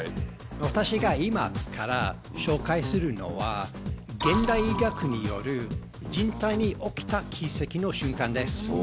私が今から紹介するのは、現代医学による人体に起きた奇跡の瞬間です。